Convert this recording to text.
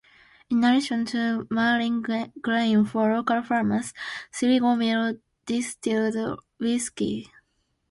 In addition to milling grain for local farmers, Sligo Mill distilled whiskey.